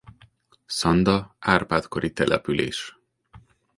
Szanda Árpád-kori település.